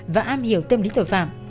và am hiểu tâm lý tội phạm